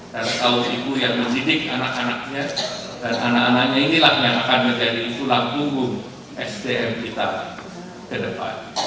dan kaum ibu yang mendidik anak anaknya dan anak anaknya inilah yang akan menjadi sulang tunggung sdm kita ke depan